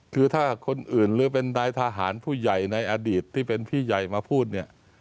คือถ้าคนอื่นหรือเป็นนายทหารผู้ใหญ่ในอดีตที่เป็นพี่ใหญ่มาพูดเนี่ย